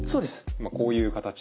まあこういう形で。